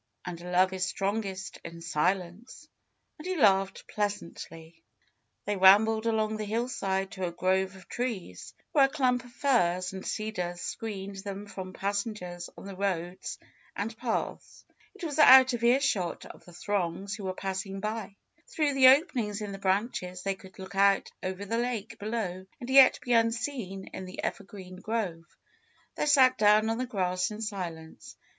And love is strongest in silence," and he laughed pleasantly. They rambled along the hillside to a grove of trees, where a clump of firs and cedars screened them from passengers on the roads and paths. It was out of ear shot of the throngs who were passing by. Through the openings in the branches they could look out over the lake below and yet be unseen in the evergreen grove. They sat down on the grass in silence.